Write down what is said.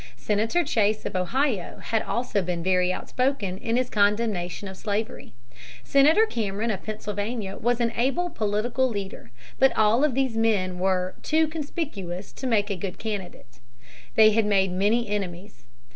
Senator Chase of Ohio had also been very outspoken in his condemnation of slavery. Senator Cameron of Pennsylvania was an able political leader. But all of these men were "too conspicuous to make a good candidate." They had made many enemies.